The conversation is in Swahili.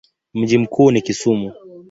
Mji mkuu ni Kisumu.